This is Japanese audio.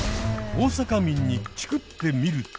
大阪民にチクってみると。